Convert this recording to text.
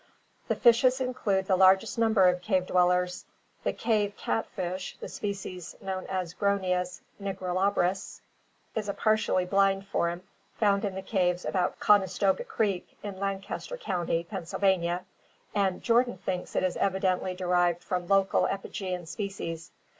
The fishes include the largest number of cave dwellers. The cave catfish, the species known as Gronias nigrilabris, is a partially blind form found in the caves about Conestoga Creek, in Lancaster County, Pennsylvania, and Jordan thinks it is evidently derived from local epigean species.